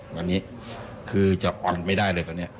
วันนี้คือจับมันไม่ได้เลยตอนนี้